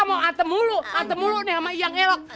ngeatem ulu keatem ulu nih sama iyang elok